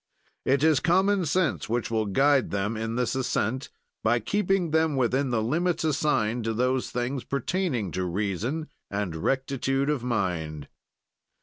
"It is common sense which will guide them in this ascent by keeping them within the limits assigned to those things pertaining to reason and rectitude of mind.